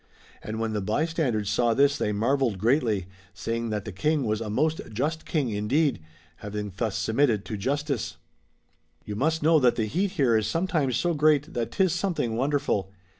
And when the bystanders saw this they marvelled greatly, saying that the King was a most just King indeed, iiaving thus submitted to justice.'^] You must know that the heat here is sometimes so great that 'tis something wonderful.